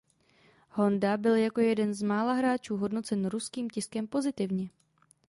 Honda byl jako jeden z mála hráčů hodnocen ruským tiskem pozitivně.